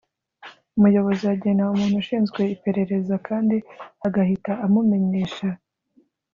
umuyobozi agena umuntu ushinzwe iperereza kandi agahita amumenyesha